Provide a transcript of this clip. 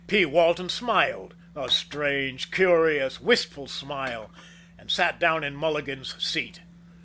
P. Walton smiled a strange, curious, wistful smile and sat down in Mulligan's seat.